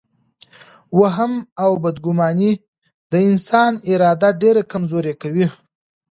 وهم او بدګماني د انسان اراده ډېره کمزورې کوي.